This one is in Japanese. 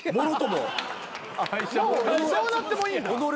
もうどうなってもいいんだ。